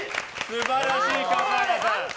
素晴らしい、笠原さん。